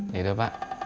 nah itu pak